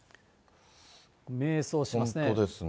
迷走してますね。